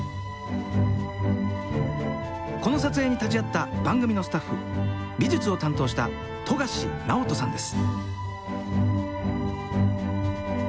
この撮影に立ち会った番組のスタッフ美術を担当した富樫直人さんです。